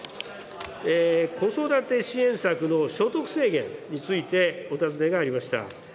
子育て支援策の所得制限についてお尋ねがありました。